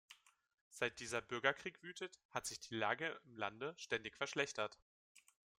Seit dieser Bürgerkrieg wütet, hat sich die Lage im Lande ständig verschlechtert.